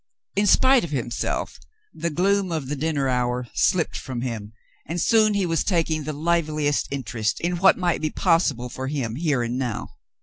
In spite of himself, the gloom of the dinner hour slipped from him, and soon he was taking the liveliest interest in what might be possible for him here and now.